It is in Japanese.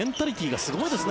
すごいですね。